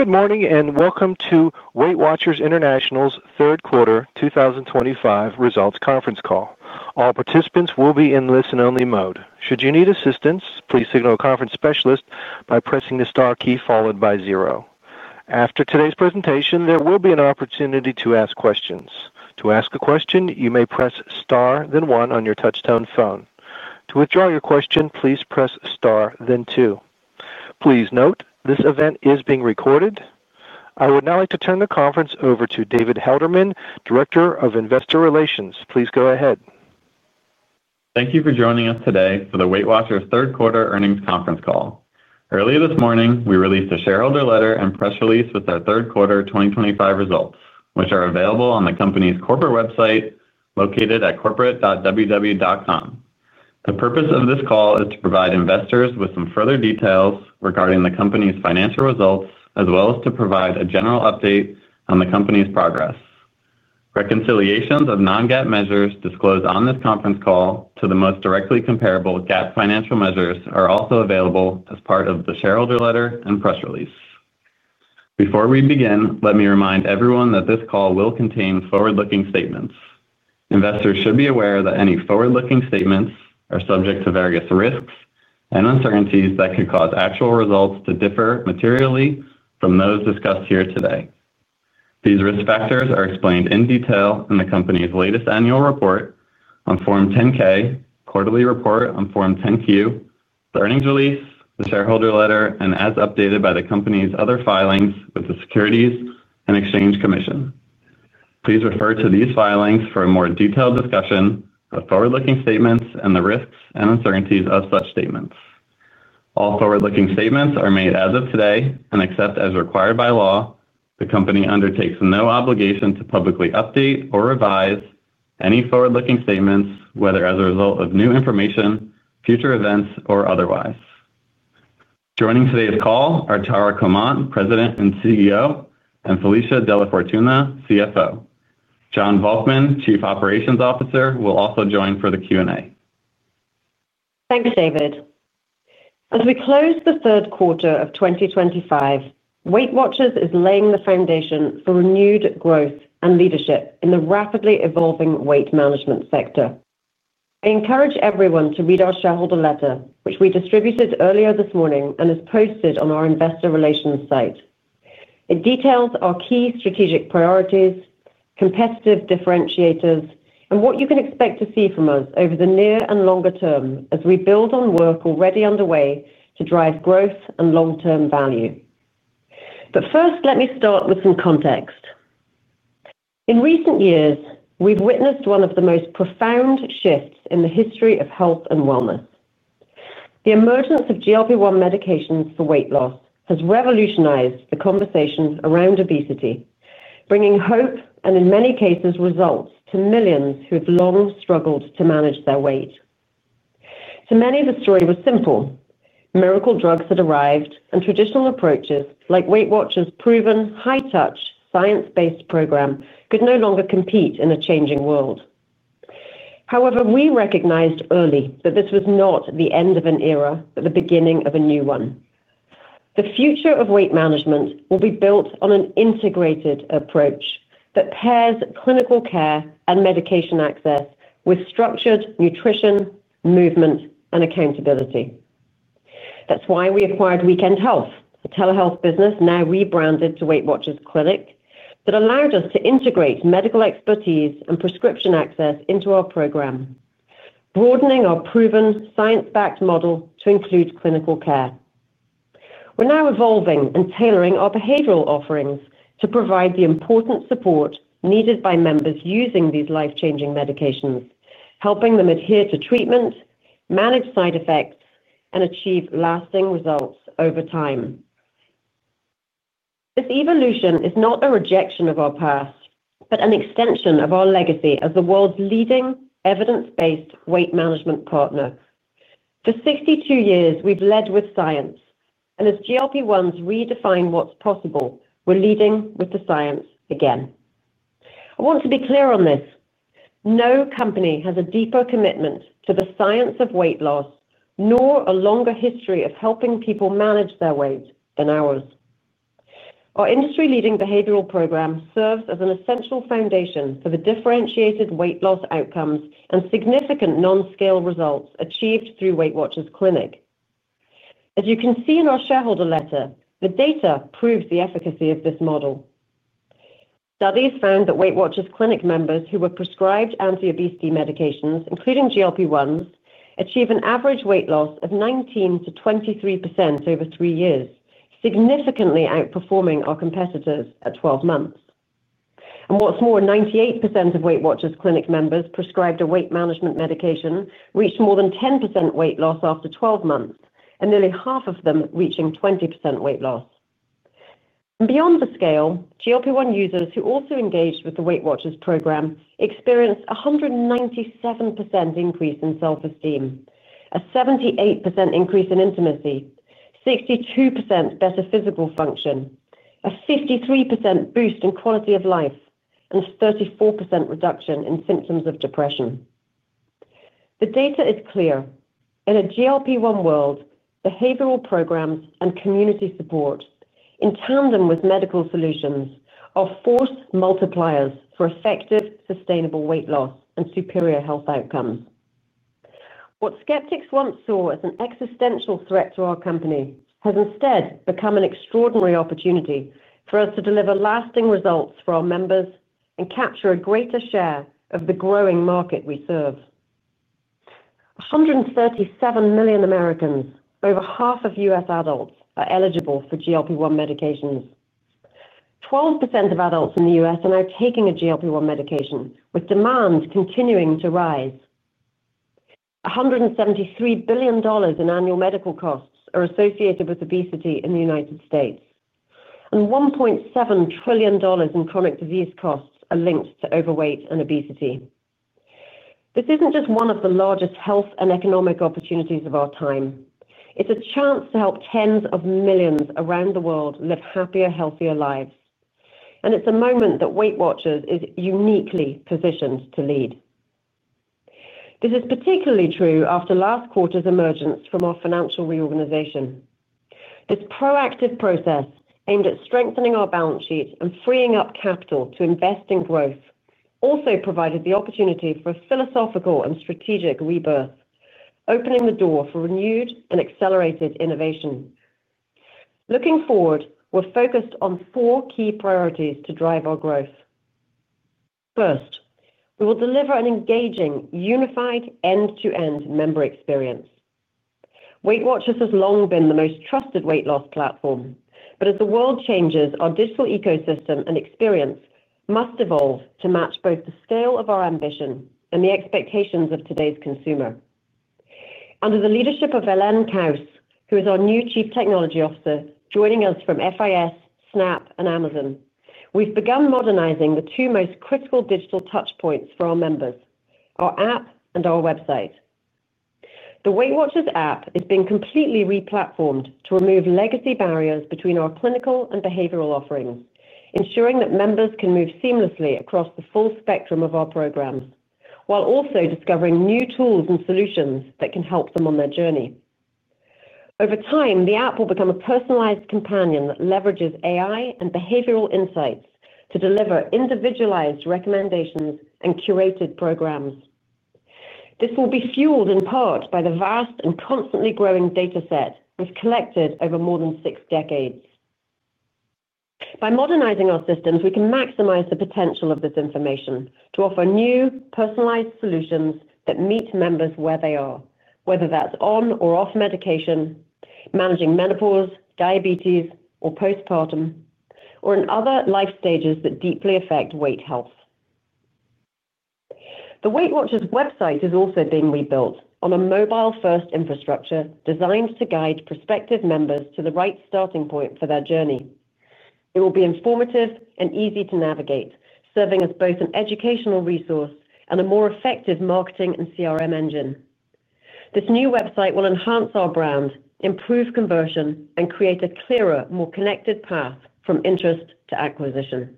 Good morning and welcome to WeightWatchers International's Third Quarter 2025 Results Conference Call. All participants will be in listen-only mode. Should you need assistance, please signal a conference specialist by pressing the star key followed by zero. After today's presentation, there will be an opportunity to ask questions. To ask a question, you may press star, then one on your touch-tone phone. To withdraw your question, please press star, then two. Please note this event is being recorded. I would now like to turn the conference over to David Helderman, Director of Investor Relations. Please go ahead. Thank you for joining us today for the WeightWatchers third quarter earnings conference call. Earlier this morning, we released a shareholder letter and press release with our third quarter 2025 results, which are available on the company's corporate website located at corporate.ww.com. The purpose of this call is to provide investors with some further details regarding the company's financial results, as well as to provide a general update on the company's progress. Reconciliations of non-GAAP measures disclosed on this conference call to the most directly comparable GAAP financial measures are also available as part of the shareholder letter and press release. Before we begin, let me remind everyone that this call will contain forward-looking statements. Investors should be aware that any forward-looking statements are subject to various risks and uncertainties that could cause actual results to differ materially from those discussed here today. These risk factors are explained in detail in the company's latest annual report on Form 10-K, quarterly report on Form 10-Q, the earnings release, the shareholder letter, and as updated by the company's other filings with the Securities and Exchange Commission. Please refer to these filings for a more detailed discussion of forward-looking statements and the risks and uncertainties of such statements. All forward-looking statements are made as of today and, except as required by law, the company undertakes no obligation to publicly update or revise any forward-looking statements, whether as a result of new information, future events, or otherwise. Joining today's call are Tara Comonte, President and CEO, and Felicia DellaFortuna, CFO. Jon Volkmann, Chief Operations Officer, will also join for the Q&A. Thanks, David. As we close the third quarter of 2025, WeightWatchers is laying the foundation for renewed growth and leadership in the rapidly evolving weight management sector. I encourage everyone to read our shareholder letter, which we distributed earlier this morning and is posted on our investor relations site. It details our key strategic priorities, competitive differentiators, and what you can expect to see from us over the near and longer term as we build on work already underway to drive growth and long-term value. First, let me start with some context. In recent years, we've witnessed one of the most profound shifts in the history of health and wellness. The emergence of GLP-1 medications for weight loss has revolutionized the conversation around obesity, bringing hope and, in many cases, results to millions who have long struggled to manage their weight. To many, the story was simple. Miracle drugs had arrived, and traditional approaches like WeightWatchers' proven, high-touch, science-based program could no longer compete in a changing world. However, we recognized early that this was not the end of an era, but the beginning of a new one. The future of weight management will be built on an integrated approach that pairs clinical care and medication access with structured nutrition, movement, and accountability. That is why we acquired Weekend Health, a telehealth business now rebranded to WeightWatchers Clinic, that allowed us to integrate medical expertise and prescription access into our program, broadening our proven, science-backed model to include clinical care. We are now evolving and tailoring our behavioral offerings to provide the important support needed by members using these life-changing medications, helping them adhere to treatment, manage side effects, and achieve lasting results over time. This evolution is not a rejection of our past, but an extension of our legacy as the world's leading evidence-based weight management partner. For 62 years, we've led with science, and as GLP-1s redefine what's possible, we're leading with the science again. I want to be clear on this. No company has a deeper commitment to the science of weight loss nor a longer history of helping people manage their weight than ours. Our industry-leading behavioral program serves as an essential foundation for the differentiated weight loss outcomes and significant non-scale results achieved through WeightWatchers Clinic. As you can see in our shareholder letter, the data proves the efficacy of this model. Studies found that WeightWatchers Clinic members who were prescribed anti-obesity medications, including GLP-1s, achieve an average weight loss of 19%-23% over three years, significantly outperforming our competitors at 12 months. What's more, 98% of WeightWatchers Clinic members prescribed a weight management medication reached more than 10% weight loss after 12 months, and nearly half of them reaching 20% weight loss. Beyond the scale, GLP-1 users who also engaged with the WeightWatchers program experienced a 197% increase in self-esteem, a 78% increase in intimacy, 62% better physical function, a 53% boost in quality of life, and a 34% reduction in symptoms of depression. The data is clear. In a GLP-1 world, behavioral programs and community support, in tandem with medical solutions, are force multipliers for effective, sustainable weight loss and superior health outcomes. What skeptics once saw as an existential threat to our company has instead become an extraordinary opportunity for us to deliver lasting results for our members and capture a greater share of the growing market we serve. 137 million Americans, over half of U.S. adults, are eligible for GLP-1 medications. 12% of adults in the U.S. are now taking a GLP-1 medication, with demand continuing to rise. $173 billion in annual medical costs are associated with obesity in the United States, and $1.7 trillion in chronic disease costs are linked to overweight and obesity. This isn't just one of the largest health and economic opportunities of our time. It's a chance to help tens of millions around the world live happier, healthier lives. It is a moment that WeightWatchers is uniquely positioned to lead. This is particularly true after last quarter's emergence from our financial reorganization. This proactive process aimed at strengthening our balance sheet and freeing up capital to invest in growth also provided the opportunity for a philosophical and strategic rebirth, opening the door for renewed and accelerated innovation. Looking forward, we're focused on four key priorities to drive our growth. First, we will deliver an engaging, unified end-to-end member experience. WeightWatchers has long been the most trusted weight loss platform, but as the world changes, our digital ecosystem and experience must evolve to match both the scale of our ambition and the expectations of today's consumer. Under the leadership of Ellen Kaus, who is our new Chief Technology Officer, joining us from FIS, Snap, and Amazon, we've begun modernizing the two most critical digital touch points for our members: our app and our website. The WeightWatchers app has been completely replatformed to remove legacy barriers between our clinical and behavioral offerings, ensuring that members can move seamlessly across the full spectrum of our programs, while also discovering new tools and solutions that can help them on their journey. Over time, the app will become a personalized companion that leverages AI and behavioral insights to deliver individualized recommendations and curated programs. This will be fueled in part by the vast and constantly growing data set we've collected over more than six decades. By modernizing our systems, we can maximize the potential of this information to offer new, personalized solutions that meet members where they are, whether that's on or off medication, managing menopause, diabetes, or postpartum, or in other life stages that deeply affect weight health. The WeightWatchers website is also being rebuilt on a mobile-first infrastructure designed to guide prospective members to the right starting point for their journey. It will be informative and easy to navigate, serving as both an educational resource and a more effective marketing and CRM engine. This new website will enhance our brand, improve conversion, and create a clearer, more connected path from interest to acquisition.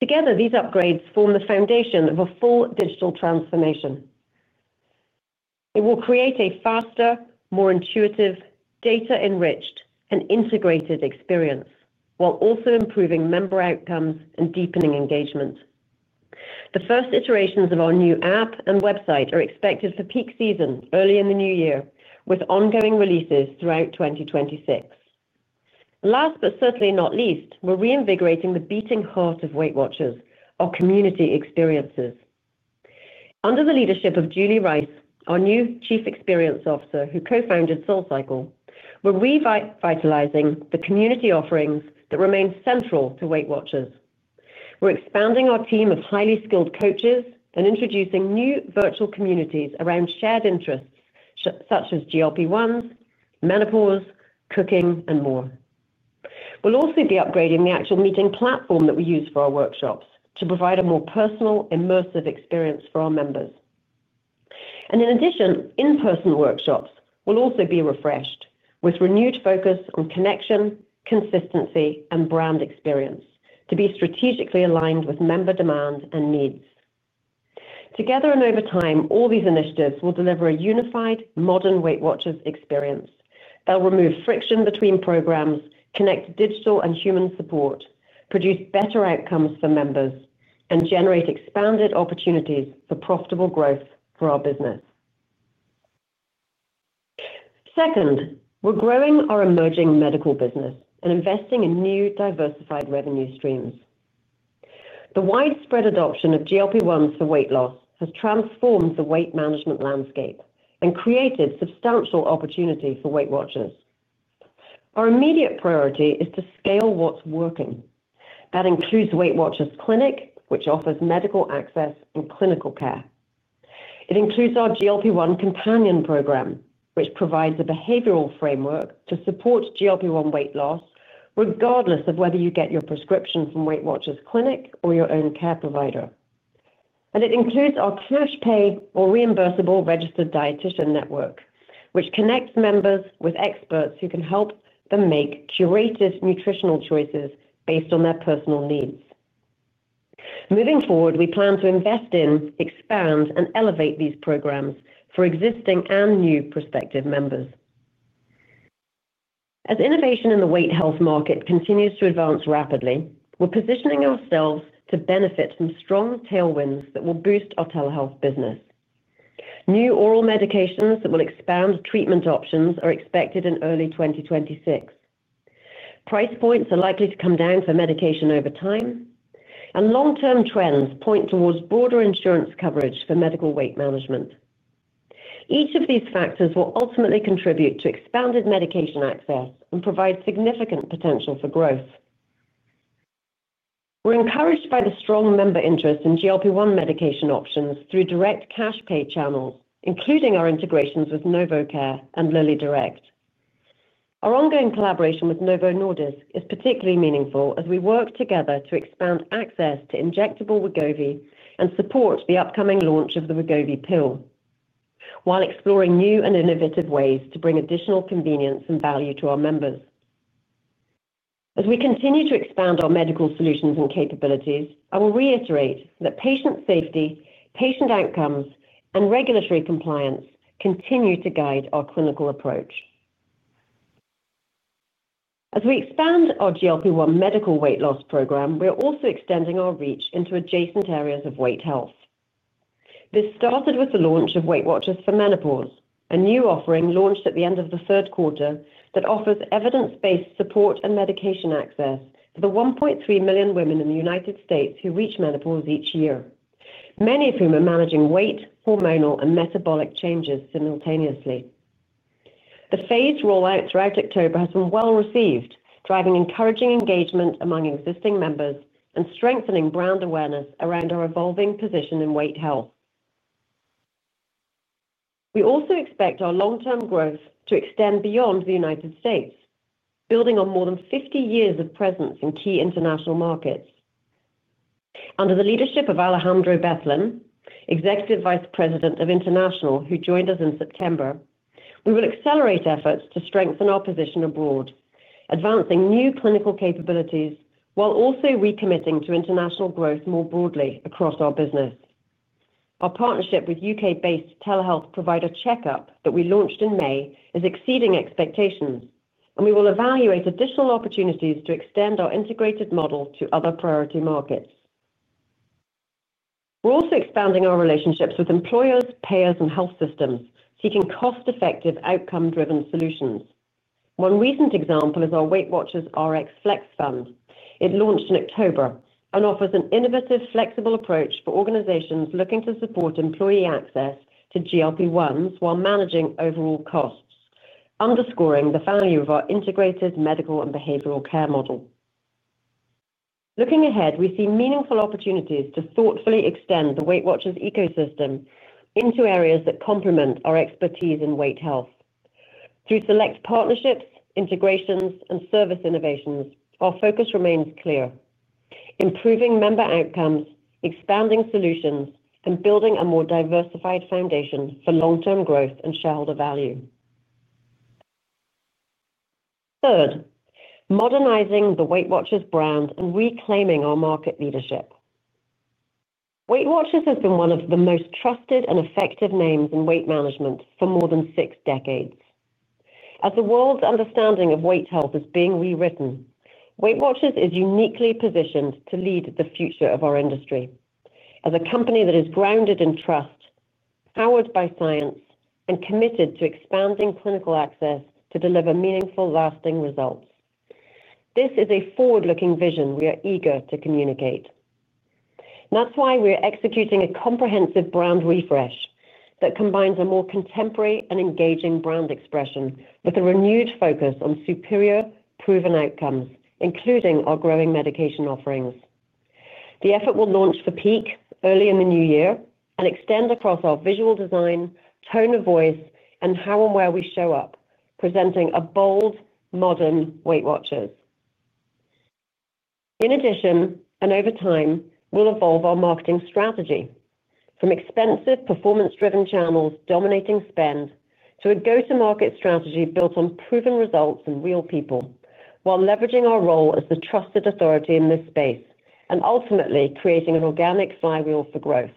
Together, these upgrades form the foundation of a full digital transformation. It will create a faster, more intuitive, data-enriched, and integrated experience, while also improving member outcomes and deepening engagement. The first iterations of our new app and website are expected for peak season early in the new year, with ongoing releases throughout 2026. Last but certainly not least, we're reinvigorating the beating heart of WeightWatchers, our community experiences. Under the leadership of Julie Rice, our new Chief Experience Officer, who Co-Founded SoulCycle, we're revitalizing the community offerings that remain central to WeightWatchers. We're expanding our team of highly skilled coaches and introducing new virtual communities around shared interests such as GLP-1s, menopause, cooking, and more. We'll also be upgrading the actual meeting platform that we use for our workshops to provide a more personal, immersive experience for our members. In addition, in-person workshops will also be refreshed with renewed focus on connection, consistency, and brand experience to be strategically aligned with member demands and needs. Together and over time, all these initiatives will deliver a unified, modern WeightWatchers experience. They'll remove friction between programs, connect digital and human support, produce better outcomes for members, and generate expanded opportunities for profitable growth for our business. Second, we're growing our emerging medical business and investing in new, diversified revenue streams. The widespread adoption of GLP-1s for weight loss has transformed the weight management landscape and created substantial opportunity for WeightWatchers. Our immediate priority is to scale what's working. That includes WeightWatchers Clinic, which offers medical access and clinical care. It includes our GLP-1 companion program, which provides a behavioral framework to support GLP-1 weight loss, regardless of whether you get your prescription from WeightWatchers Clinic or your own care provider. It includes our cash-pay or reimbursable registered dietitian network, which connects members with experts who can help them make curated nutritional choices based on their personal needs. Moving forward, we plan to invest in, expand, and elevate these programs for existing and new prospective members. As innovation in the weight health market continues to advance rapidly, we're positioning ourselves to benefit from strong tailwinds that will boost our telehealth business. New oral medications that will expand treatment options are expected in early 2026. Price points are likely to come down for medication over time, and long-term trends point towards broader insurance coverage for medical weight management. Each of these factors will ultimately contribute to expanded medication access and provide significant potential for growth. We're encouraged by the strong member interest in GLP-1 medication options through direct cash-pay channels, including our integrations with NovoCare and LillyDirect. Our ongoing collaboration with Novo Nordisk is particularly meaningful as we work together to expand access to injectable Wegovy and support the upcoming launch of the Wegovy pill. While exploring new and innovative ways to bring additional convenience and value to our members, as we continue to expand our medical solutions and capabilities, I will reiterate that patient safety, patient outcomes, and regulatory compliance continue to guide our clinical approach. As we expand our GLP-1 medical weight loss program, we're also extending our reach into adjacent areas of weight health. This started with the launch of WeightWatchers for Menopause, a new offering launched at the end of the third quarter that offers evidence-based support and medication access to the 1.3 million women in the United States who reach menopause each year, many of whom are managing weight, hormonal, and metabolic changes simultaneously. The phased rollout throughout October has been well received, driving encouraging engagement among existing members and strengthening brand awareness around our evolving position in weight health. We also expect our long-term growth to extend beyond the United States, building on more than 50 years of presence in key international markets. Under the leadership of Alejandro Bethlen, Executive Vice President of International, who joined us in September, we will accelerate efforts to strengthen our position abroad, advancing new clinical capabilities while also recommitting to international growth more broadly across our business. Our partnership with U.K.-based telehealth provider CheqUp that we launched in May is exceeding expectations, and we will evaluate additional opportunities to extend our integrated model to other priority markets. We are also expanding our relationships with employers, payers, and health systems, seeking cost-effective, outcome-driven solutions. One recent example is our WeightWatchers RxFlexFund. It launched in October and offers an innovative, flexible approach for organizations looking to support employee access to GLP-1s while managing overall costs, underscoring the value of our integrated medical and behavioral care model. Looking ahead, we see meaningful opportunities to thoughtfully extend the WeightWatchers ecosystem into areas that complement our expertise in weight health. Through select partnerships, integrations, and service innovations, our focus remains clear: improving member outcomes, expanding solutions, and building a more diversified foundation for long-term growth and shareholder value. Third, modernizing the WeightWatchers brand and reclaiming our market leadership. WeightWatchers has been one of the most trusted and effective names in weight management for more than six decades. As the world's understanding of weight health is being rewritten, WeightWatchers is uniquely positioned to lead the future of our industry as a company that is grounded in trust, powered by science, and committed to expanding clinical access to deliver meaningful, lasting results. This is a forward-looking vision we are eager to communicate. That's why we are executing a comprehensive brand refresh that combines a more contemporary and engaging brand expression with a renewed focus on superior, proven outcomes, including our growing medication offerings. The effort will launch for peak early in the new year and extend across our visual design, tone of voice, and how and where we show up, presenting a bold, modern WeightWatchers. In addition, and over time, we'll evolve our marketing strategy from expensive, performance-driven channels dominating spend to a go-to-market strategy built on proven results and real people, while leveraging our role as the trusted authority in this space and ultimately creating an organic flywheel for growth.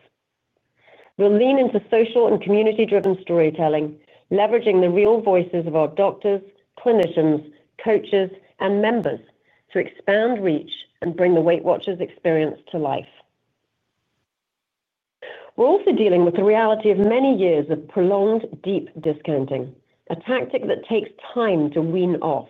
We'll lean into social and community-driven storytelling, leveraging the real voices of our doctors, clinicians, coaches, and members to expand reach and bring the WeightWatchers experience to life. We're also dealing with the reality of many years of prolonged deep discounting, a tactic that takes time to wean off.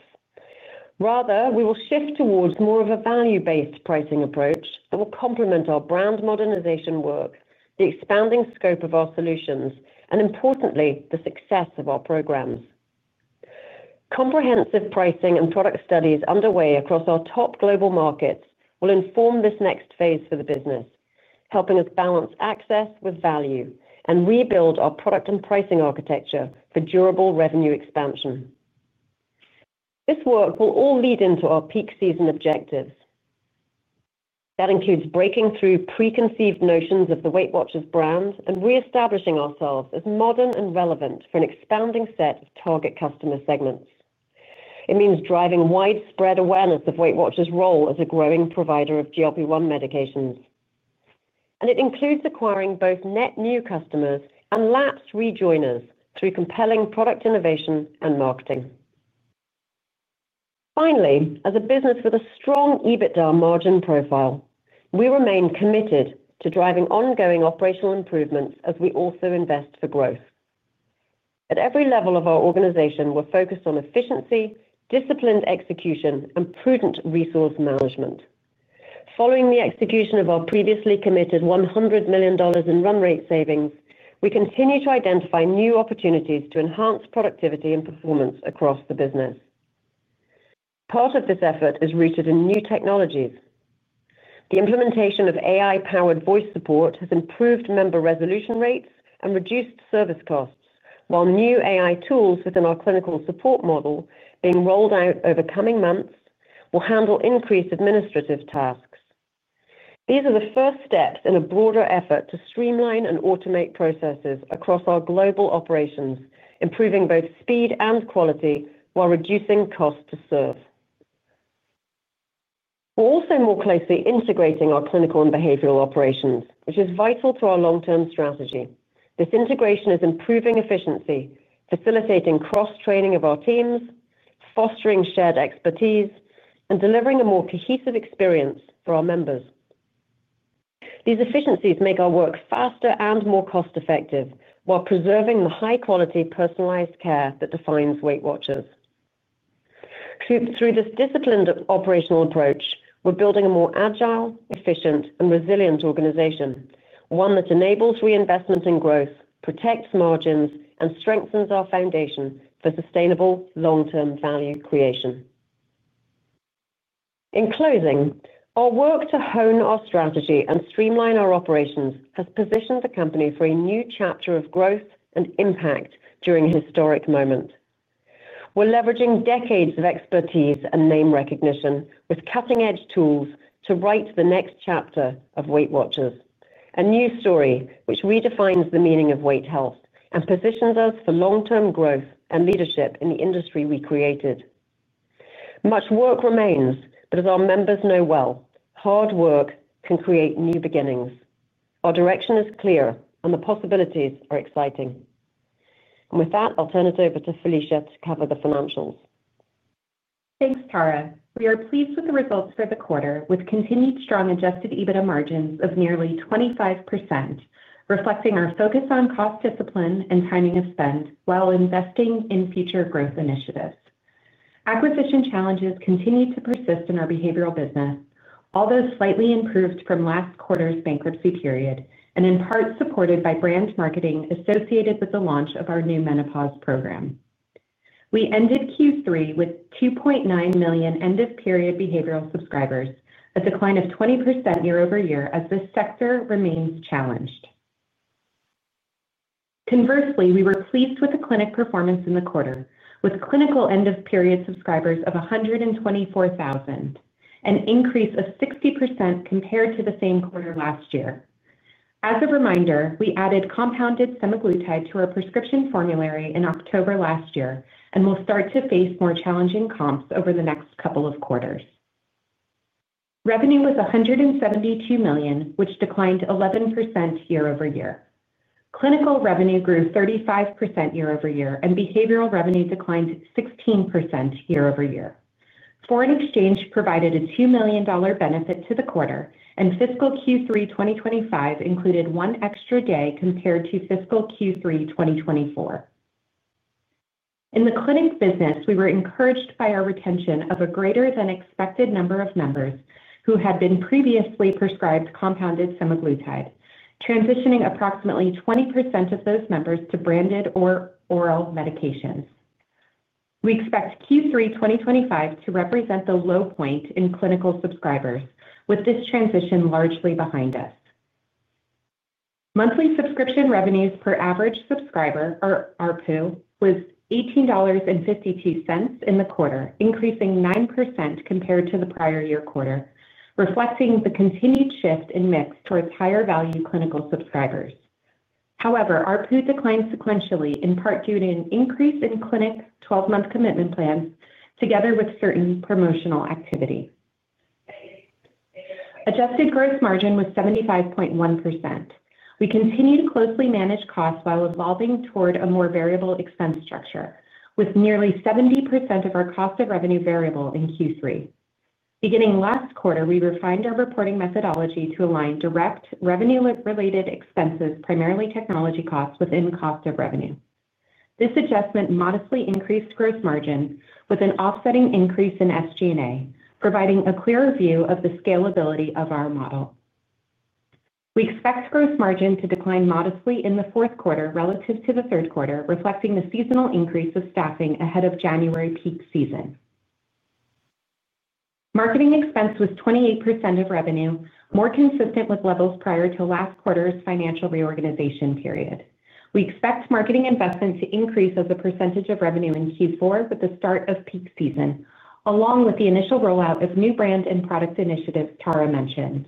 Rather, we will shift towards more of a value-based pricing approach that will complement our brand modernization work, the expanding scope of our solutions, and importantly, the success of our programs. Comprehensive pricing and product studies underway across our top global markets will inform this next phase for the business, helping us balance access with value and rebuild our product and pricing architecture for durable revenue expansion. This work will all lead into our peak season objectives. That includes breaking through preconceived notions of the WeightWatchers brand and reestablishing ourselves as modern and relevant for an expanding set of target customer segments. It means driving widespread awareness of WeightWatchers' role as a growing provider of GLP-1 medications. It includes acquiring both net new customers and lapsed rejoiners through compelling product innovation and marketing. Finally, as a business with a strong EBITDA margin profile, we remain committed to driving ongoing operational improvements as we also invest for growth. At every level of our organization, we're focused on efficiency, disciplined execution, and prudent resource management. Following the execution of our previously committed $100 million in run rate savings, we continue to identify new opportunities to enhance productivity and performance across the business. Part of this effort is rooted in new technologies. The implementation of AI-powered voice support has improved member resolution rates and reduced service costs, while new AI tools within our clinical support model being rolled out over coming months will handle increased administrative tasks. These are the first steps in a broader effort to streamline and automate processes across our global operations, improving both speed and quality while reducing cost to serve. We're also more closely integrating our clinical and behavioral operations, which is vital to our long-term strategy. This integration is improving efficiency, facilitating cross-training of our teams, fostering shared expertise, and delivering a more cohesive experience for our members. These efficiencies make our work faster and more cost-effective while preserving the high-quality personalized care that defines WeightWatchers. Through this disciplined operational approach, we're building a more agile, efficient, and resilient organization, one that enables reinvestment and growth, protects margins, and strengthens our foundation for sustainable, long-term value creation. In closing, our work to hone our strategy and streamline our operations has positioned the company for a new chapter of growth and impact during a historic moment. We're leveraging decades of expertise and name recognition with cutting-edge tools to write the next chapter of WeightWatchers, a new story which redefines the meaning of weight health and positions us for long-term growth and leadership in the industry we created. Much work remains, but as our members know well, hard work can create new beginnings. Our direction is clear, and the possibilities are exciting. With that, I'll turn it over to Felicia to cover the financials. Thanks, Tara. We are pleased with the results for the quarter, with continued strong adjusted EBITDA margins of nearly 25%, reflecting our focus on cost discipline and timing of spend while investing in future growth initiatives. Acquisition challenges continue to persist in our behavioral business, although slightly improved from last quarter's bankruptcy period and in part supported by brand marketing associated with the launch of our new menopause program. We ended Q3 with 2.9 million end-of-period behavioral subscribers, a decline of 20% year over year as this sector remains challenged. Conversely, we were pleased with the clinic performance in the quarter, with clinical end-of-period subscribers of 124,000, an increase of 60% compared to the same quarter last year. As a reminder, we added compounded semaglutide to our prescription formulary in October last year and will start to face more challenging comps over the next couple of quarters. Revenue was $172 million, which declined 11% year over year. Clinical revenue grew 35% year over year, and behavioral revenue declined 16% year over year. Foreign exchange provided a $2 million benefit to the quarter, and fiscal Q3 2025 included one extra day compared to fiscal Q3 2024. In the clinic business, we were encouraged by our retention of a greater-than-expected number of members who had been previously prescribed compounded semaglutide, transitioning approximately 20% of those members to branded or oral medications. We expect Q3 2025 to represent the low point in clinical subscribers, with this transition largely behind us. Monthly subscription revenues per average subscriber, or ARPU, was $18.52 in the quarter, increasing 9% compared to the prior year quarter, reflecting the continued shift in mix towards higher-value clinical subscribers. However, ARPU declined sequentially, in part due to an increase in clinic 12-month commitment plans together with certain promotional activity. Adjusted gross margin was 75.1%. We continue to closely manage costs while evolving toward a more variable expense structure, with nearly 70% of our cost of revenue variable in Q3. Beginning last quarter, we refined our reporting methodology to align direct revenue-related expenses, primarily technology costs, within cost of revenue. This adjustment modestly increased gross margin with an offsetting increase in SG&A, providing a clearer view of the scalability of our model. We expect gross margin to decline modestly in the fourth quarter relative to the third quarter, reflecting the seasonal increase of staffing ahead of January peak season. Marketing expense was 28% of revenue, more consistent with levels prior to last quarter's financial reorganization period. We expect marketing investment to increase as a percentage of revenue in Q4 with the start of peak season, along with the initial rollout of new brand and product initiatives Tara mentioned.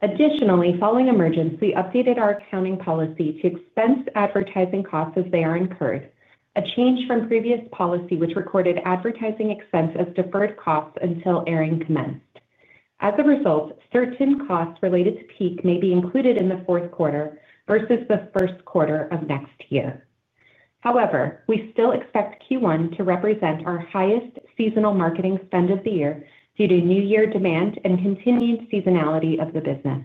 Additionally, following emergence, we updated our accounting policy to expense advertising costs as they are incurred, a change from previous policy, which recorded advertising expense as deferred costs until airing commenced. As a result, certain costs related to peak may be included in the fourth quarter versus the first quarter of next year. However, we still expect Q1 to represent our highest seasonal marketing spend of the year due to new year demand and continued seasonality of the business.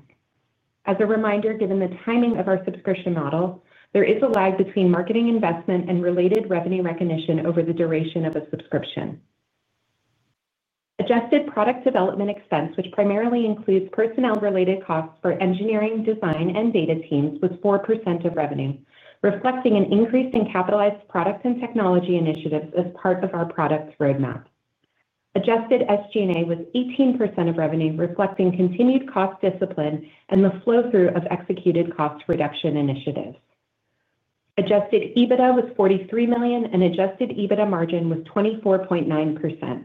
As a reminder, given the timing of our subscription model, there is a lag between marketing investment and related revenue recognition over the duration of a subscription. Adjusted product development expense, which primarily includes personnel-related costs for engineering, design, and data teams, was 4% of revenue, reflecting an increase in capitalized product and technology initiatives as part of our product roadmap. Adjusted SG&A was 18% of revenue, reflecting continued cost discipline and the flow-through of executed cost reduction initiatives. Adjusted EBITDA was $43 million, and adjusted EBITDA margin was 24.9%.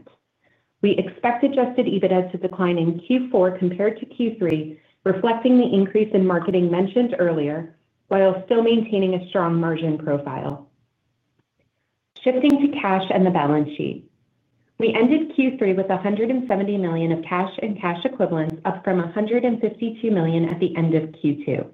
We expect adjusted EBITDA to decline in Q4 compared to Q3, reflecting the increase in marketing mentioned earlier while still maintaining a strong margin profile. Shifting to cash and the balance sheet, we ended Q3 with $170 million of cash and cash equivalents, up from $152 million at the end of Q2.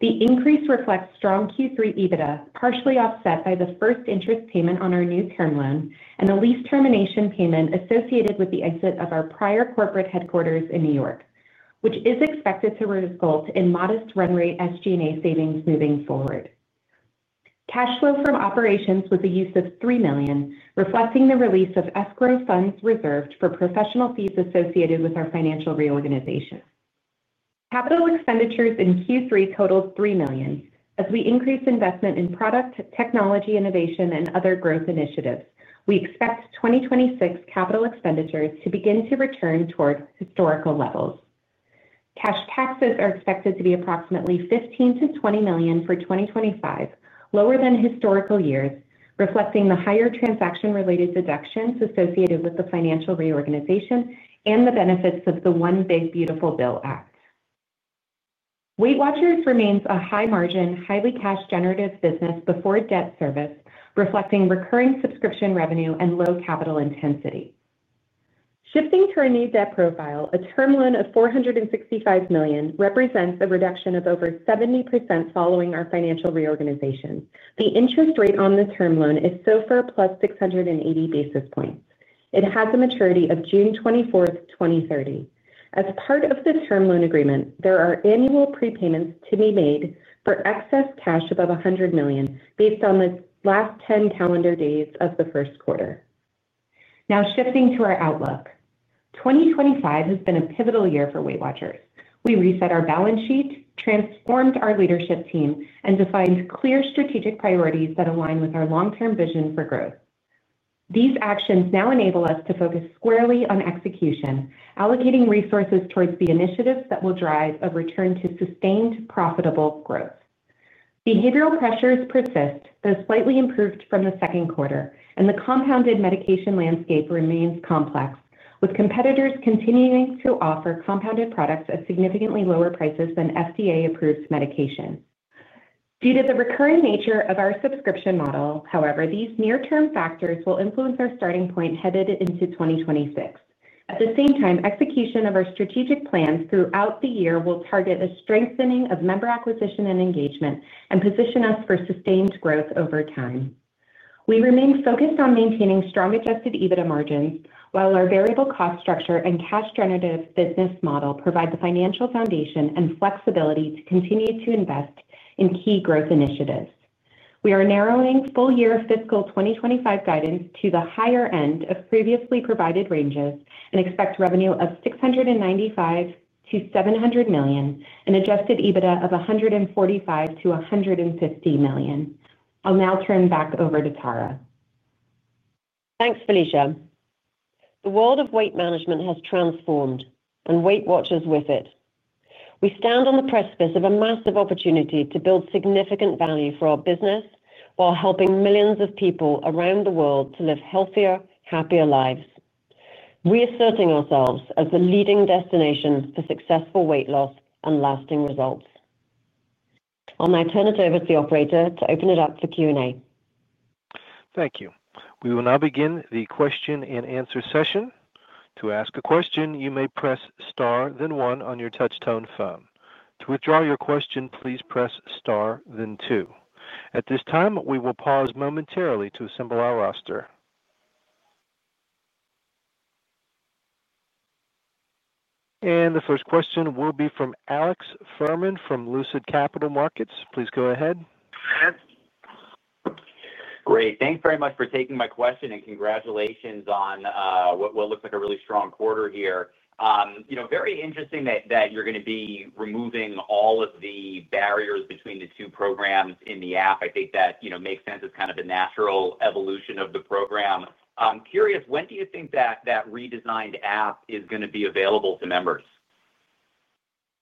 The increase reflects strong Q3 EBITDA, partially offset by the first interest payment on our new term loan and the lease termination payment associated with the exit of our prior corporate headquarters in New York, which is expected to result in modest run rate SG&A savings moving forward. Cash flow from operations was a use of $3 million, reflecting the release of escrow funds reserved for professional fees associated with our financial reorganization. Capital expenditures in Q3 totaled $3 million. As we increase investment in product, technology innovation, and other growth initiatives, we expect 2026 capital expenditures to begin to return toward historical levels. Cash taxes are expected to be approximately $15 million-$20 million for 2025, lower than historical years, reflecting the higher transaction-related deductions associated with the financial reorganization and the benefits of the One Big Beautiful Bill Act. WeightWatchers remains a high-margin, highly cash-generative business before debt service, reflecting recurring subscription revenue and low capital intensity. Shifting to our new debt profile, a term loan of $465 million represents a reduction of over 70% following our financial reorganization. The interest rate on the term loan is SOFR+ 680 basis points. It has a maturity of June 24, 2030. As part of the term loan agreement, there are annual prepayments to be made for excess cash above $100 million based on the last 10 calendar days of the first quarter. Now, shifting to our outlook, 2025 has been a pivotal year for WeightWatchers. We reset our balance sheet, transformed our leadership team, and defined clear strategic priorities that align with our long-term vision for growth. These actions now enable us to focus squarely on execution, allocating resources towards the initiatives that will drive a return to sustained, profitable growth. Behavioral pressures persist, though slightly improved from the second quarter, and the compounded medication landscape remains complex, with competitors continuing to offer compounded products at significantly lower prices than FDA-approved medication. Due to the recurring nature of our subscription model, however, these near-term factors will influence our starting point headed into 2026. At the same time, execution of our strategic plans throughout the year will target a strengthening of member acquisition and engagement and position us for sustained growth over time. We remain focused on maintaining strong adjusted EBITDA margins while our variable cost structure and cash-generative business model provide the financial foundation and flexibility to continue to invest in key growth initiatives. We are narrowing full-year fiscal 2025 guidance to the higher end of previously provided ranges and expect revenue of $695 million-$700 million and adjusted EBITDA of $145 million-$150 million. I'll now turn back over to Tara. Thanks, Felicia. The world of weight management has transformed, and WeightWatchers with it. We stand on the precipice of a massive opportunity to build significant value for our business while helping millions of people around the world to live healthier, happier lives, reasserting ourselves as the leading destination for successful weight loss and lasting results. I'll now turn it over to the operator to open it up for Q&A. Thank you. We will now begin the question and answer session. To ask a question, you may press Star, then 1 on your touch-tone phone. To withdraw your question, please press Star, then 2.At this time, we will pause momentarily to assemble our roster. The first question will be from Alex Fuhrman from Lucid Capital Markets. Please go ahead. Great. Thanks very much for taking my question, and congratulations on what looks like a really strong quarter here. Very interesting that you're going to be removing all of the barriers between the two programs in the app. I think that makes sense. It's kind of a natural evolution of the program. I'm curious, when do you think that redesigned app is going to be available to members?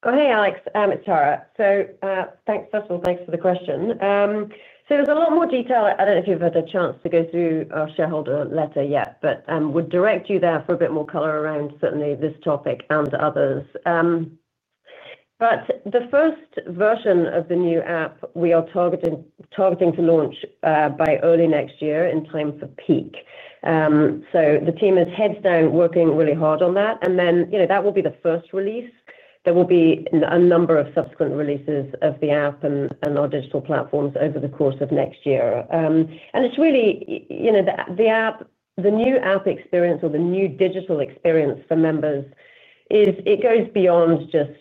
Go ahead, Alex. It's Tara. First of all, thanks for the question. There is a lot more detail. I do not know if you've had a chance to go through our shareholder letter yet, but would direct you there for a bit more color around certainly this topic and others. The first version of the new app we are targeting to launch by early next year in time for peak. The team is heads down working really hard on that. That will be the first release. There will be a number of subsequent releases of the app and our digital platforms over the course of next year. The new app experience or the new digital experience for members goes beyond just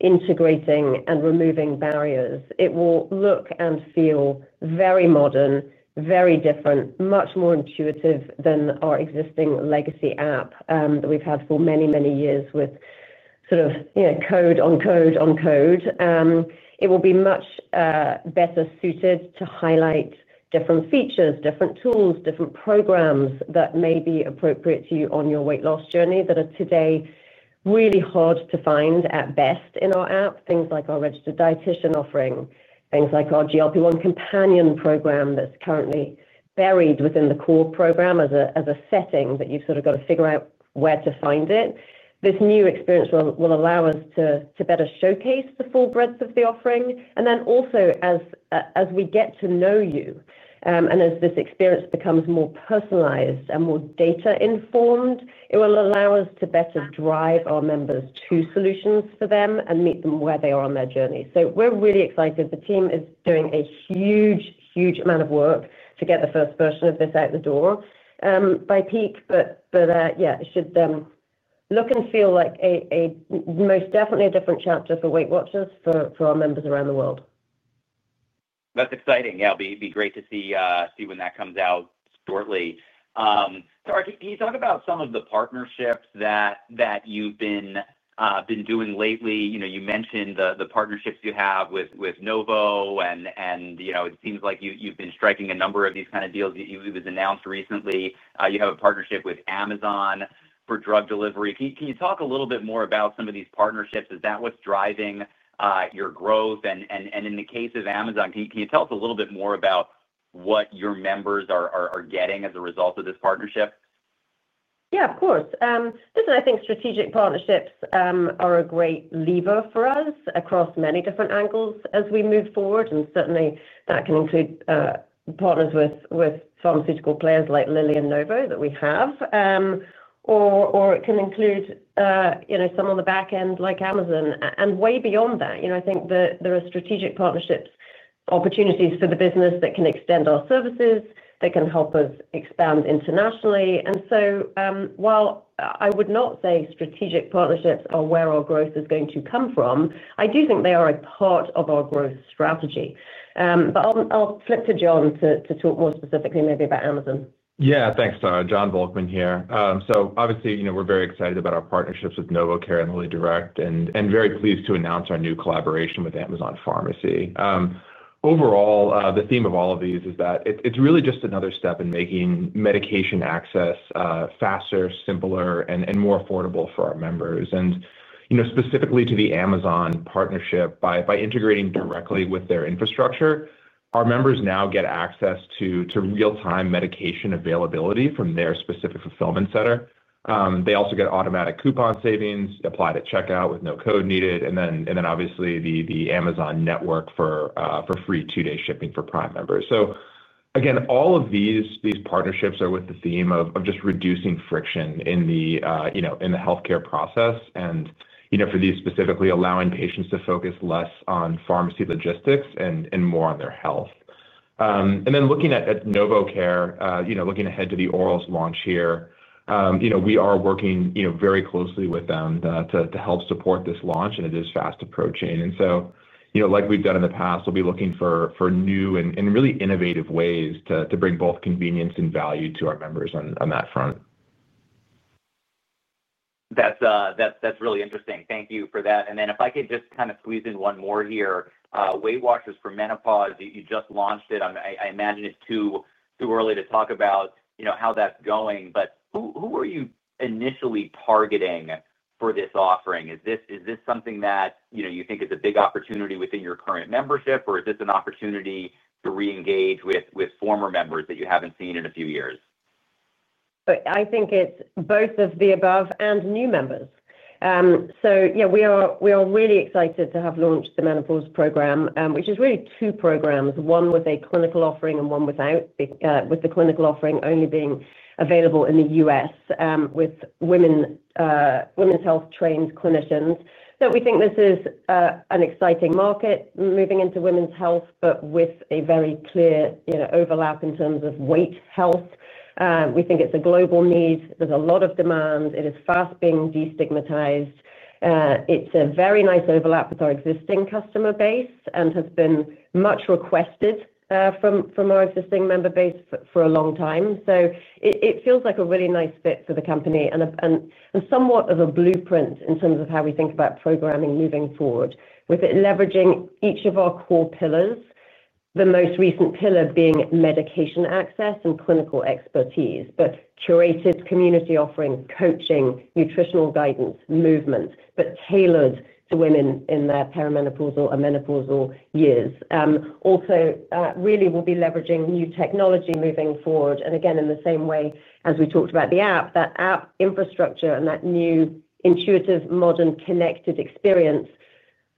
integrating and removing barriers. It will look and feel very modern, very different, much more intuitive than our existing legacy app that we've had for many, many years with sort of code on code on code. It will be much better suited to highlight different features, different tools, different programs that may be appropriate to you on your weight loss journey that are today really hard to find at best in our app, things like our registered dietitian offering, things like our GLP-1 companion program that's currently buried within the core program as a setting that you've sort of got to figure out where to find it. This new experience will allow us to better showcase the full breadth of the offering. Also, as we get to know you and as this experience becomes more personalized and more data-informed, it will allow us to better drive our members to solutions for them and meet them where they are on their journey. We are really excited. The team is doing a huge, huge amount of work to get the first version of this out the door. By peak, but yeah, it should look and feel like most definitely a different chapter for WeightWatchers for our members around the world. That's exciting. Yeah, it'll be great to see when that comes out shortly. Tara, can you talk about some of the partnerships that you've been doing lately? You mentioned the partnerships you have with Novo, and it seems like you've been striking a number of these kinds of deals. It was announced recently you have a partnership with Amazon for drug delivery. Can you talk a little bit more about some of these partnerships? Is that what's driving your growth? In the case of Amazon, can you tell us a little bit more about what your members are getting as a result of this partnership? Yeah, of course. Listen, I think strategic partnerships are a great lever for us across many different angles as we move forward. Certainly, that can include partners with pharmaceutical players like Lilly and Novo that we have. Or it can include some on the back end like Amazon. Way beyond that, I think there are strategic partnership opportunities for the business that can extend our services, that can help us expand internationally. While I would not say strategic partnerships are where our growth is going to come from, I do think they are a part of our growth strategy. I'll flip to Jon to talk more specifically, maybe about Amazon. Yeah, thanks, Tara. Jon Volkmann here. Obviously, we're very excited about our partnerships with NovoCare and LillyDirect and very pleased to announce our new collaboration with Amazon Pharmacy. Overall, the theme of all of these is that it's really just another step in making medication access faster, simpler, and more affordable for our members. Specifically to the Amazon partnership, by integrating directly with their infrastructure, our members now get access to real-time medication availability from their specific fulfillment center. They also get automatic coupon savings applied at checkout with no code needed. Obviously, the Amazon network for free two-day shipping for Prime members. Again, all of these partnerships are with the theme of just reducing friction in the healthcare process and for these specifically allowing patients to focus less on pharmacy logistics and more on their health. Looking at NovoCare, looking ahead to the orals launch here, we are working very closely with them to help support this launch, and it is fast approaching. Like we've done in the past, we'll be looking for new and really innovative ways to bring both convenience and value to our members on that front. That's really interesting. Thank you for that. If I could just kind of squeeze in one more here, WeightWatchers for Menopause, you just launched it. I imagine it's too early to talk about how that's going. Who are you initially targeting for this offering? Is this something that you think is a big opportunity within your current membership, or is this an opportunity to re-engage with former members that you haven't seen in a few years? I think it's both of the above and new members. Yeah, we are really excited to have launched the Menopause program, which is really two programs, one with a clinical offering and one without, with the clinical offering only being available in the U.S. with women's health trained clinicians. We think this is an exciting market moving into women's health, but with a very clear overlap in terms of weight health. We think it's a global need. There's a lot of demand. It is fast being destigmatized. It's a very nice overlap with our existing customer base and has been much requested from our existing member base for a long time. It feels like a really nice fit for the company and somewhat of a blueprint in terms of how we think about programming moving forward, with it leveraging each of our core pillars, the most recent pillar being medication access and clinical expertise, but curated community offering, coaching, nutritional guidance, movement, but tailored to women in their perimenopausal and menopausal years. Also, really, we'll be leveraging new technology moving forward. Again, in the same way as we talked about the app, that app infrastructure and that new intuitive, modern, connected experience,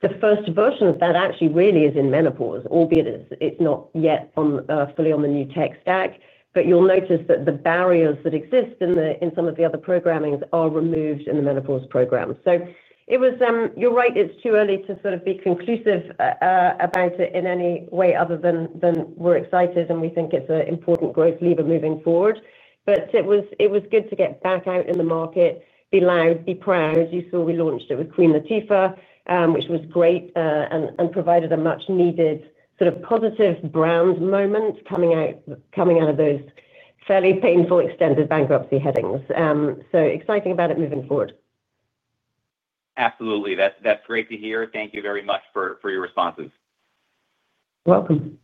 the first version of that actually really is in menopause, albeit it's not yet fully on the new tech stack. You'll notice that the barriers that exist in some of the other programmings are removed in the menopause program. You're right, it's too early to sort of be conclusive about it in any way other than we're excited and we think it's an important growth lever moving forward. It was good to get back out in the market, be loud, be proud. You saw we launched it with Queen Latifah, which was great and provided a much-needed sort of positive brand moment coming out of those fairly painful extended bankruptcy headings. Exciting about it moving forward. Absolutely. That's great to hear. Thank you very much for your responses. Welcome.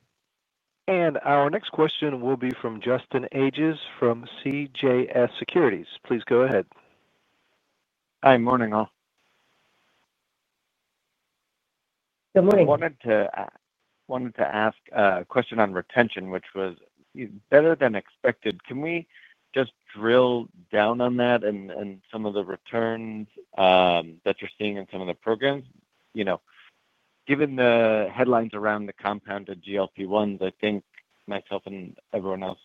Our next question will be from Justin Ages from CJS Securities. Please go ahead. Hi, morning all. Good morning. I wanted to ask a question on retention, which was better than expected. Can we just drill down on that and some of the returns that you're seeing in some of the programs? Given the headlines around the compounded GLP-1s, I think myself and everyone else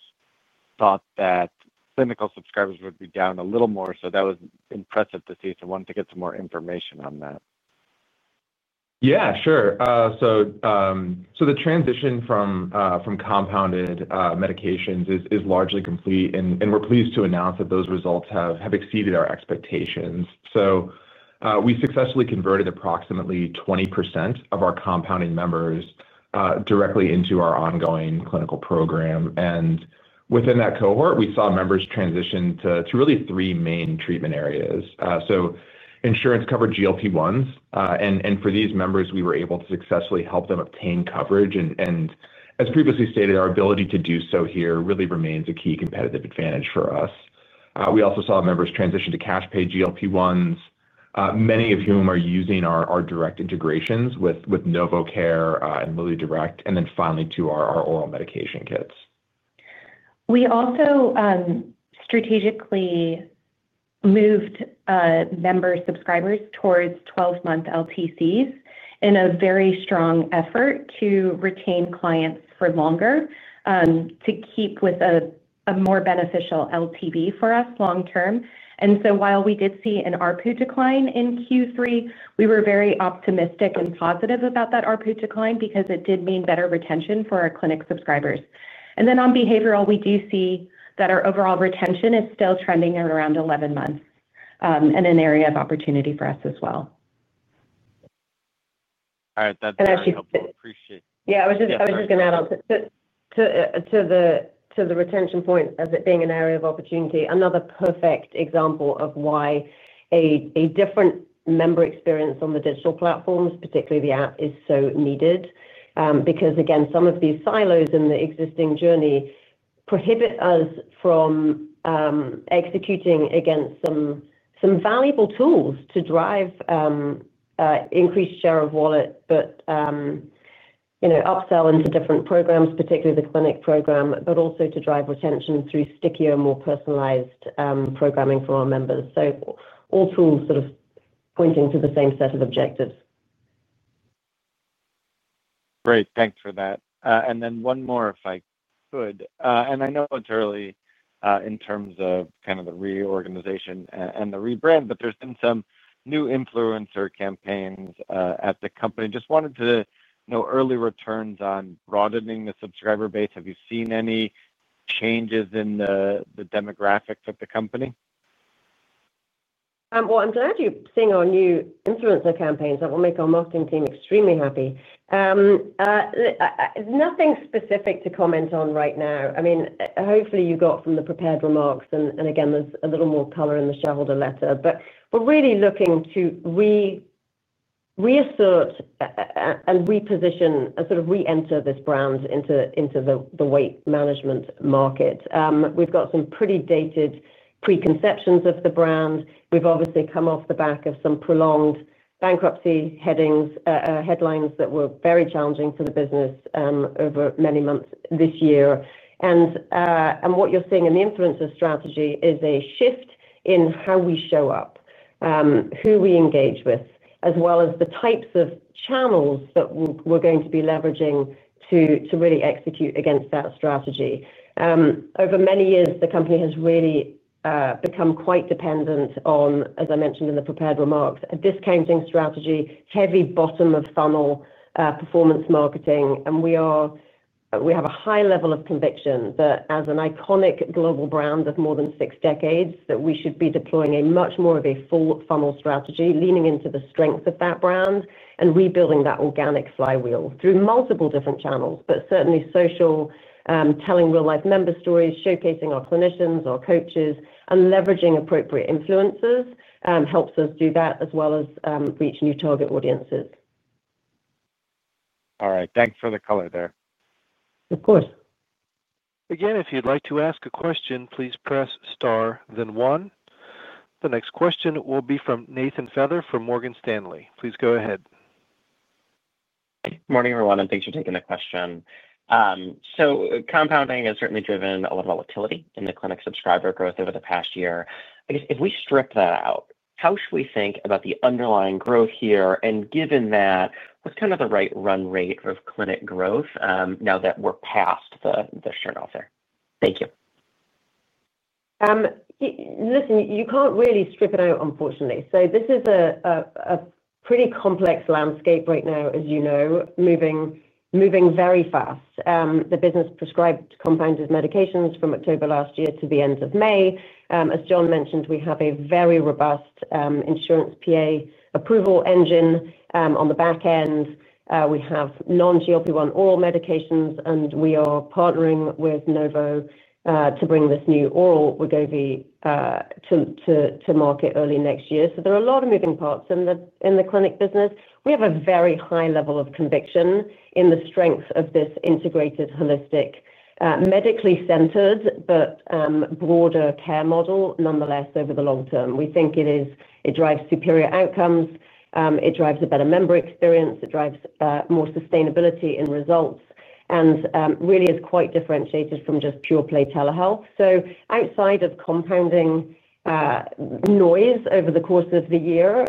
thought that clinical subscribers would be down a little more. That was impressive to see. I wanted to get some more information on that. Yeah, sure. The transition from compounded medications is largely complete, and we're pleased to announce that those results have exceeded our expectations. We successfully converted approximately 20% of our compounding members directly into our ongoing clinical program. Within that cohort, we saw members transition to really three main treatment areas: insurance-covered GLP-1s, and for these members, we were able to successfully help them obtain coverage. As previously stated, our ability to do so here really remains a key competitive advantage for us. We also saw members transition to cash-pay GLP-1s, many of whom are using our direct integrations with NovoCare and LillyDirect, and then finally to our oral medication kits. We also strategically moved member subscribers towards 12-month LTCs in a very strong effort to retain clients for longer to keep with a more beneficial LTV for us long-term. While we did see an ARPU decline in Q3, we were very optimistic and positive about that ARPU decline because it did mean better retention for our clinic subscribers. On behavioral, we do see that our overall retention is still trending at around 11 months and an area of opportunity for us as well. All right. That's helpful. Yeah, I was just going to add on to the retention point of it being an area of opportunity, another perfect example of why. A different member experience on the digital platforms, particularly the app, is so needed because, again, some of these silos in the existing journey prohibit us from executing against some valuable tools to drive increased share of wallet, but upsell into different programs, particularly the clinic program, but also to drive retention through stickier, more personalized programming for our members. All tools sort of pointing to the same set of objectives. Great. Thanks for that. And then one more, if I could. I know it's early in terms of kind of the reorganization and the rebrand, but there's been some new influencer campaigns at the company. Just wanted to know early returns on broadening the subscriber base. Have you seen any changes in the demographics at the company? I'm glad you're seeing our new influencer campaigns. That will make our marketing team extremely happy. Nothing specific to comment on right now. I mean, hopefully, you got from the prepared remarks. Again, there's a little more color in the shareholder letter. We're really looking to reassert and reposition and sort of re-enter this brand into the weight management market. We've got some pretty dated preconceptions of the brand. We've obviously come off the back of some prolonged bankruptcy headlines that were very challenging for the business over many months this year. What you're seeing in the influencer strategy is a shift in how we show up, who we engage with, as well as the types of channels that we're going to be leveraging to really execute against that strategy. Over many years, the company has really become quite dependent on, as I mentioned in the prepared remarks, a discounting strategy, heavy bottom-of-funnel performance marketing. We. Have a high level of conviction that as an iconic global brand of more than six decades, that we should be deploying much more of a full-funnel strategy, leaning into the strength of that brand, and rebuilding that organic flywheel through multiple different channels, but certainly social. Telling real-life member stories, showcasing our clinicians, our coaches, and leveraging appropriate influencers helps us do that as well as reach new target audiences. All right. Thanks for the color there. Of course. Again, if you'd like to ask a question, please press star, then one. The next question will be from Nathan Feather from Morgan Stanley. Please go ahead. Morning, everyone, and thanks for taking the question. So compounding has certainly driven a lot of volatility in the clinic subscriber growth over the past year. I guess if we strip that out, how should we think about the underlying growth here? Given that, what's kind of the right run rate of clinic growth now that we're past the Chernowfer? Thank you. Listen, you can't really strip it out, unfortunately. This is a pretty complex landscape right now, as you know, moving very fast. The business prescribed compounded medications from October last year to the end of May. As Jon mentioned, we have a very robust insurance PA approval engine on the back end. We have non-GLP-1 oral medications, and we are partnering with Novo to bring this new oral Wegovy to market early next year. There are a lot of moving parts in the clinic business. We have a very high level of conviction in the strength of this integrated, holistic, medically centered, but broader care model, nonetheless, over the long term. We think it drives superior outcomes. It drives a better member experience. It drives more sustainability in results, and really is quite differentiated from just pure-play telehealth. Outside of compounding noise over the course of the year,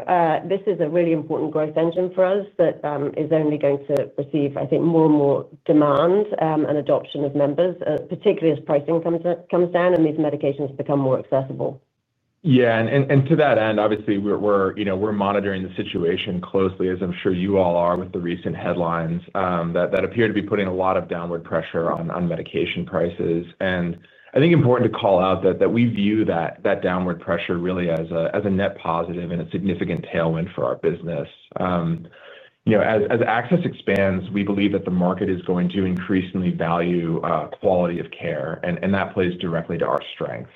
this is a really important growth engine for us that is only going to receive, I think, more and more demand and adoption of members, particularly as pricing comes down and these medications become more accessible. Yeah. To that end, obviously, we're monitoring the situation closely, as I'm sure you all are with the recent headlines that appear to be putting a lot of downward pressure on medication prices. I think it's important to call out that we view that downward pressure really as a net positive and a significant tailwind for our business. As access expands, we believe that the market is going to increasingly value quality of care, and that plays directly to our strengths.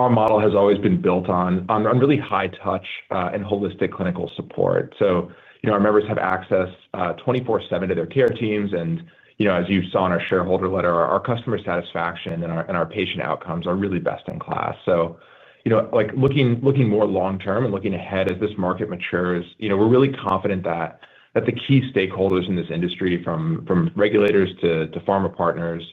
Our model has always been built on really high touch and holistic clinical support. Our members have access 24/7 to their care teams. As you saw in our shareholder letter, our customer satisfaction and our patient outcomes are really best in class. Looking more long-term and looking ahead as this market matures, we're really confident that the key stakeholders in this industry, from regulators to pharma partners,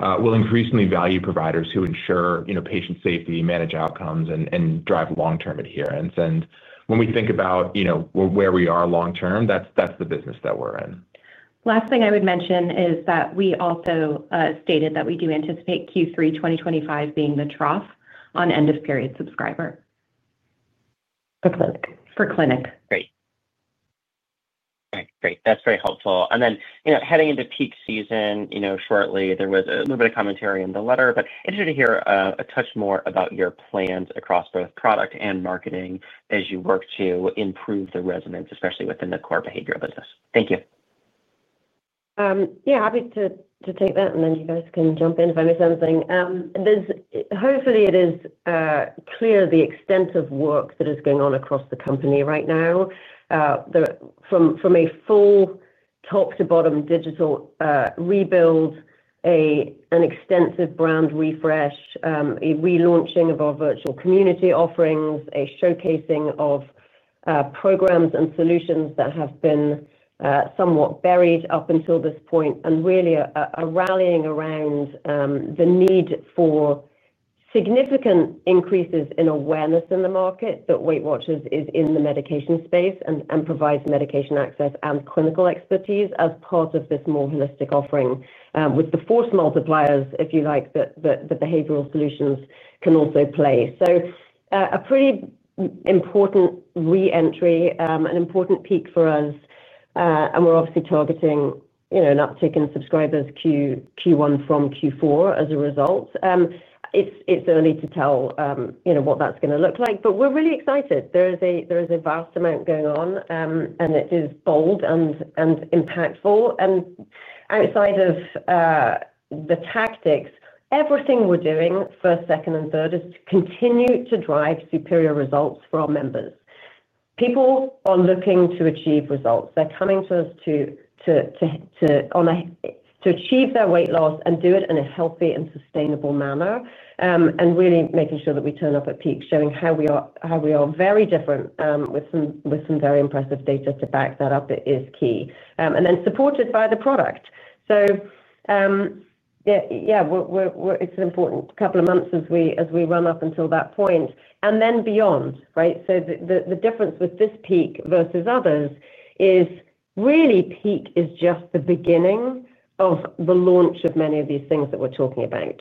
will increasingly value providers who ensure patient safety, manage outcomes, and drive long-term adherence. When we think about where we are long-term, that's the business that we're in. Last thing I would mention is that we also stated that we do anticipate Q3 2025 being the trough on end-of-period subscriber for clinic. Great. Okay. Great. That's very helpful. And then heading into peak season shortly, there was a little bit of commentary in the letter, but interested to hear a touch more about your plans across both product and marketing as you work to improve the resonance, especially within the core behavioral business. Thank you. Yeah. Happy to take that. You guys can jump in if I miss anything. Hopefully, it is clear the extent of work that is going on across the company right now. From a full top-to-bottom digital rebuild, an extensive brand refresh, a relaunching of our virtual community offerings, a showcasing of programs and solutions that have been somewhat buried up until this point, and really a rallying around the need for. Significant increases in awareness in the market that WeightWatchers is in the medication space and provides medication access and clinical expertise as part of this more holistic offering with the force multipliers, if you like, that the behavioral solutions can also play. A pretty important re-entry, an important peak for us. We are obviously targeting an uptick in subscribers Q1 from Q4 as a result. It is early to tell what that is going to look like, but we are really excited. There is a vast amount going on, and it is bold and impactful. Outside of the tactics, everything we are doing, first, second, and third, is to continue to drive superior results for our members. People are looking to achieve results. They are coming to us to. Achieve their weight loss and do it in a healthy and sustainable manner, and really making sure that we turn up at peak, showing how we are very different with some very impressive data to back that up. It is key. Then supported by the product. Yeah, it's an important couple of months as we run up until that point, and then beyond, right? The difference with this peak versus others is really peak is just the beginning of the launch of many of these things that we're talking about.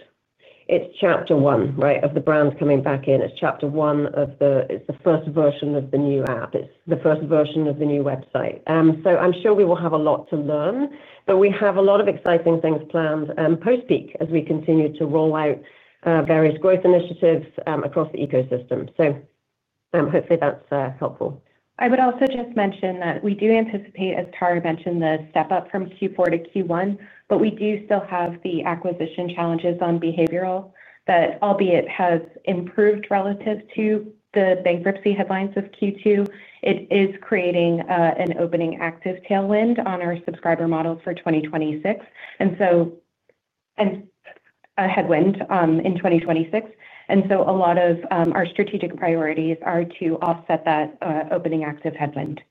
It's chapter one, right, of the brand coming back in. It's chapter one of the, it's the first version of the new app. It's the first version of the new website. I'm sure we will have a lot to learn, but we have a lot of exciting things planned post-peak as we continue to roll out. Various growth initiatives across the ecosystem. Hopefully, that's helpful. I would also just mention that we do anticipate, as Tara mentioned, the step-up from Q4 to Q1, but we do still have the acquisition challenges on behavioral that, albeit has improved relative to the bankruptcy headlines of Q2, it is creating an opening active tailwind on our subscriber model for 2026. A headwind in 2026. A lot of our strategic priorities are to offset that opening active headwind.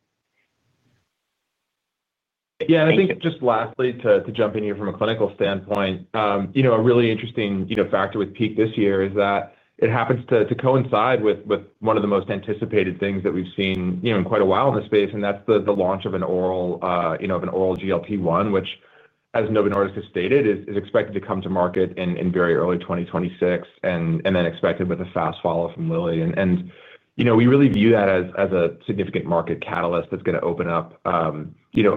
Yeah. I think just lastly, to jump in here from a clinical standpoint. A really interesting factor with peak this year is that it happens to coincide with one of the most anticipated things that we've seen in quite a while in the space, and that's the launch of an oral. GLP-1, which, as Novo Nordisk has stated, is expected to come to market in very early 2026, and then expected with a fast follow-up from Lilly. We really view that as a significant market catalyst that's going to open up a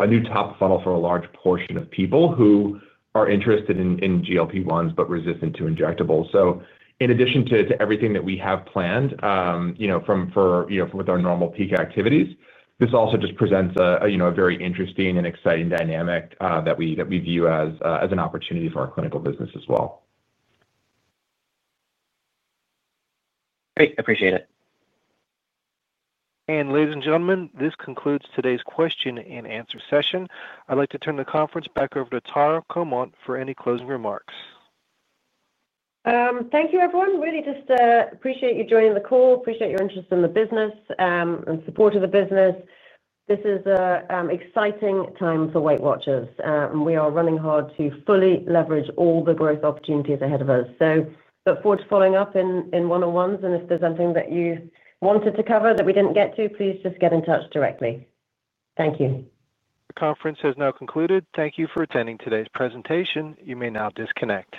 new top funnel for a large portion of people who are interested in GLP-1s but resistant to injectables. In addition to everything that we have planned with our normal peak activities, this also just presents a very interesting and exciting dynamic that we view as an opportunity for our clinical business as well. Great. Appreciate it. Ladies and gentlemen, this concludes today's question and answer session. I'd like to turn the conference back over to Tara Comonte for any closing remarks. Thank you, everyone. Really just appreciate you joining the call. Appreciate your interest in the business and support of the business. This is an exciting time for WeightWatchers. We are running hard to fully leverage all the growth opportunities ahead of us. I look forward to following up in one-on-ones. If there is anything that you wanted to cover that we did not get to, please just get in touch directly. Thank you. The conference has now concluded. Thank you for attending today's presentation. You may now disconnect.